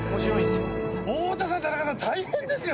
太田さん田中さん大変ですよ！